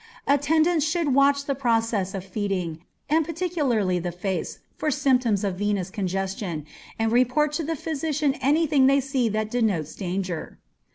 Attendants should watch the process of feeding, and particularly the face, for symptoms of venous congestion, and report to the physician any thing they see that denotes danger.